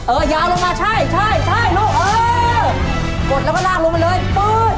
เออยาวลงมาใช่ใช่ใช่ลูกเออกดแล้วก็ลากลงมันเลยปื้ม